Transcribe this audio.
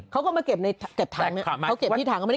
เขาก็มาเก็บในแท็บถังนี้